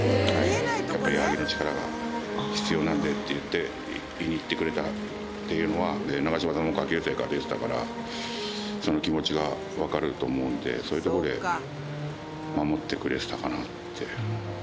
矢作の力が必要なんでって言いに行ってくれたっていうのは、長嶋さんも下級生から出てたから、その気持ちが分かると思うんで、そういうところで守ってくれてたかなって。